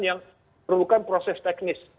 yang perlukan proses teknis